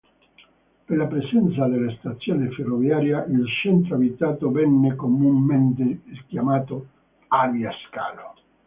Per la presenza della stazione ferroviaria, il centro abitato venne comunemente chiamato "Arbia Scalo".